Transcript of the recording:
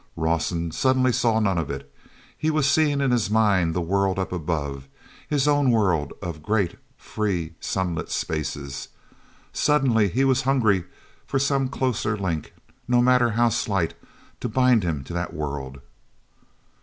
Rawson suddenly saw none of it. He was seeing in his mind the world up above, his own world of great, free, sunlit spaces. Suddenly he was hungry for some closer link, no matter how slight, to bind him to that world.